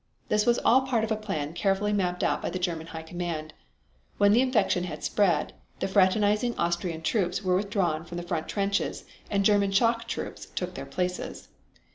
This was all part of a plan carefully mapped out by the German High Command. When the infection had spread, the fraternizing Austrian troops were withdrawn from the front trenches and German shock troops took their places.